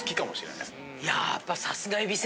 いややっぱ。